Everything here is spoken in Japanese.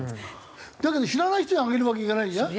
だけど知らない人にあげるわけいかないじゃん。